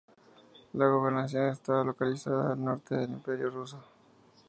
La gobernación estaba localizada al norte del Imperio ruso.